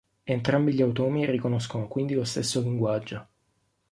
Entrambi gli automi riconoscono quindi lo stesso linguaggio.